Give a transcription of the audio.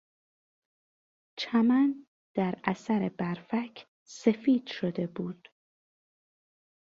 چمن در اثر برفک سفید شده بود.